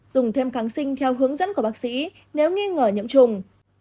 dùng thêm kháng sinh theo hướng dẫn của bác sĩ nếu nghi ngờ nhiễm trùng